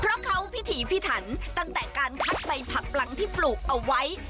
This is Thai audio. เพราะเขาพิถีพิถันตั้งแต่การคัดใบผักปลังที่ปลูกเอาไว้